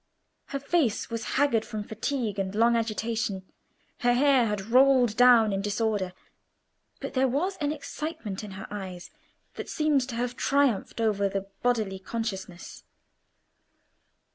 Her face was haggard from fatigue and long agitation, her hair had rolled down in disorder; but there was an excitement in her eyes that seemed to have triumphed over the bodily consciousness.